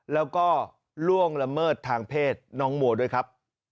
แล้วก็ล่วงละเมิดทางเพศน้องมัวด้วยครับ